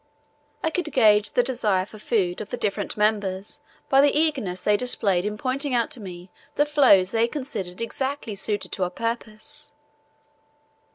I could gauge the desire for food of the different members by the eagerness they displayed in pointing out to me the floes they considered exactly suited to our purpose.